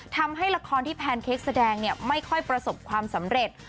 ทำให้ละครที่แพนเค้กแสดงไม่ค่อยประสบความสำเร็จ